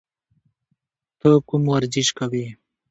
ته کوم ورزش کوې؟